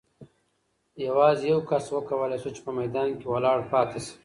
یوازې یو کس وکولای شول چې په میدان کې ولاړ پاتې شي.